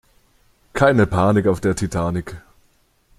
Keine Panik auf der Titanic!